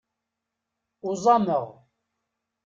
Uẓameɣ.